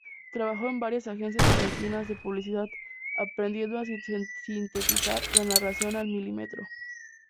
Trabajó en varias agencias argentinas de publicidad, aprendiendo a sintetizar la narración al milímetro.